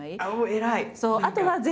偉い！